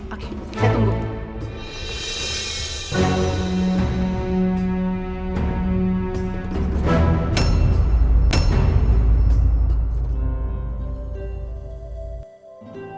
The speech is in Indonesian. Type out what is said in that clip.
oke saya tunggu